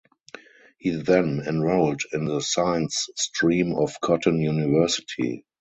He then enrolled in the science stream of Cotton University.